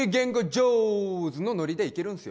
ジョーズのノリでいけるんすよ